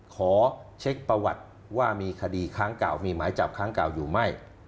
ขอเช็คประวัติว่ามีคดีครั้งเก่ามีหมายจับครั้งเก่าอยู่ไม่